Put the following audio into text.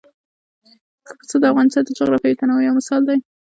پسه د افغانستان د جغرافیوي تنوع یو مثال دی.